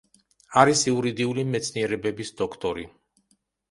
არის იურიდიული მეცნიერებების დოქტორი.